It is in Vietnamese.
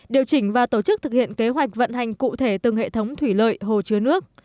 điều chỉnh và tổ chức thực hiện kế hoạch vận hành cụ thể từng hệ thống thủy lợi hồ chứa nước